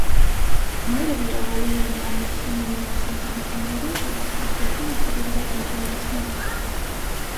Մայրը վիրավորում է ընտանիքի մնացած անդամներին՝ ողջ ուշադրությունը հյուրի վրա կենտրոնացնելով։